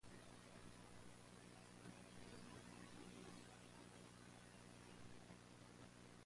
It is the only station to be served exclusively by the Victoria line.